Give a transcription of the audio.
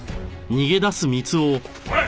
おい！